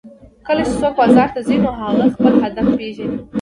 کله چې څوک بازار ته ځي نو هغه خپل هدف پېژني